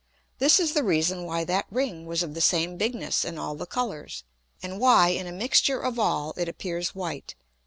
This is the reason why that Ring was of the same bigness in all the Colours, and why in a mixture of all it appears white.